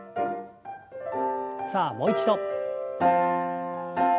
さあもう一度。